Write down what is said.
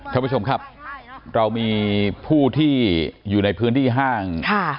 ท่านผู้ชมครับเรามีผู้ที่อยู่ในพื้นที่ห้าง